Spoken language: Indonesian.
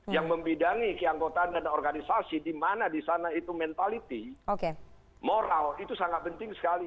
yang membidangi keangkotaan dan organisasi dimana disana itu mentaliti moral itu sangat penting sekali